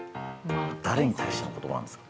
誰に対しての言葉なんですか？